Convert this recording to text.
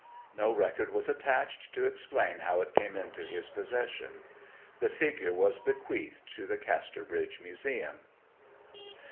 No record was attached to explain how it came into his possession. The figure was bequeathed to the Casterbridge Museum.